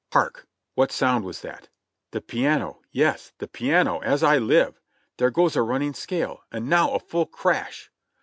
"Hark! What sound was that! The piano — yes! the piano, as I live ! There goes a running scale, and now a full crash